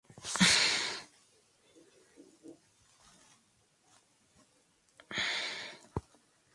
Personal entrenado por el Escuadrón No.